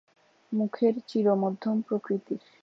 মুখের চির মধ্যম প্রকৃতির।